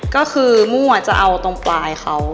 ก็คือมั่วจะเอาตรงปลายเขา